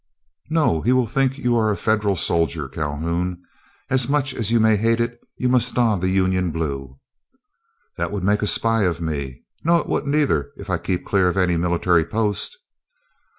"No, he will think you are a Federal soldier. Calhoun, as much as you may hate it, you must don the Union Blue." "That would make a spy of me. No, it wouldn't either, if I kept clear of any military post."